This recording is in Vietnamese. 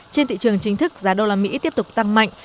trên thị trường chính thức giá đô la mỹ tiếp tục tăng mạnh